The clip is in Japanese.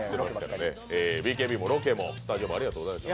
ＢＫＢもスタジオもロケもありがとうございました。